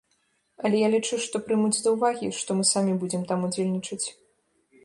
Але я лічу, што прымуць да ўвагі, што мы самі будзем там удзельнічаць.